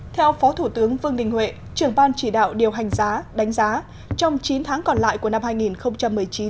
theo phó thủ tướng vương đình huệ trưởng ban chỉ đạo điều hành giá đánh giá trong chín tháng còn lại của năm hai nghìn một mươi chín